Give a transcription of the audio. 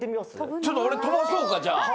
ちょっとおれとばそうかじゃあ。